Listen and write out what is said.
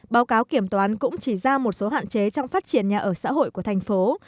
báo cáo kiểm toán cũng chỉ ra một số hạn chế trong phát triển nhà ở xã hội của thành phố